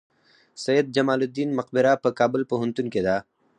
سید جمال الدین مقبره په کابل پوهنتون کې ده؟